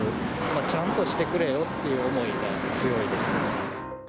ちゃんとしてくれよっていう思いが強いですね。